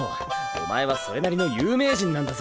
お前はそれなりの有名人なんだぞ。